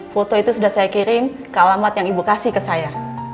foto itu sudah saya kirim ke alamat yang ibu kasih ke saya